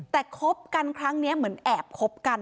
แต่คบกันครั้งนี้เหมือนแอบคบกัน